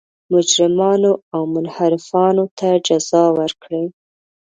مجرمانو او منحرفانو ته جزا ورکړي.